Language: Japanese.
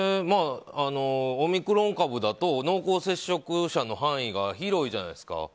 オミクロン株だと濃厚接触者の範囲が広いじゃないですか。